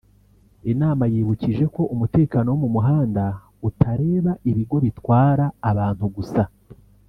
Inama yibukije ko umutekano wo mu muhanda utareba ibigo bitwara abantu gusa